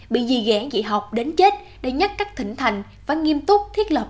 bị dì ghé dị học đến chết để nhắc các thỉnh thành và nghiêm túc thiết lập